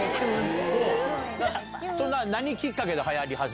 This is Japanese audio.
それは何きっかけではやり始